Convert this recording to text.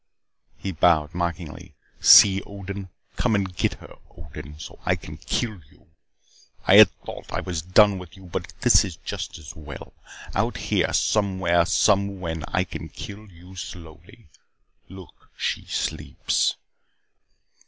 He bowed mockingly. "See, Odin. Come and get her, Odin, so I can kill you. I had thought I was done with you but it is just as well. Out here, somewhere, somewhen, I can kill you slowly. Look, she sleeps."